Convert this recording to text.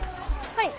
はい。